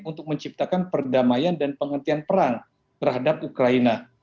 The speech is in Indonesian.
untuk menciptakan perdamaian dan penghentian perang terhadap ukraina